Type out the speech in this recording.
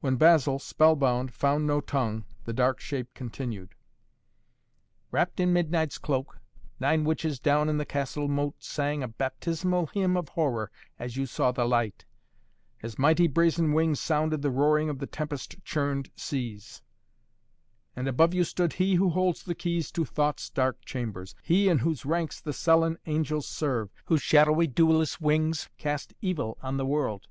When Basil, spell bound, found no tongue, the dark shape continued: "Wrapped in midnight's cloak, nine witches down in the castle moat sang a baptismal hymn of horror as you saw the light. As mighty brazen wings sounded the roaring of the tempest churned seas. And above you stood he who holds the keys to thought's dark chambers, he in whose ranks the sullen angels serve, whose shadowy dewless wings cast evil on the world.